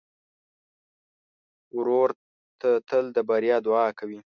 ورور ته تل د بریا دعا کوې.